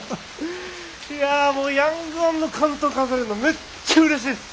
いやもう「ヤングワン」の巻頭飾れるのめっちゃうれしいです。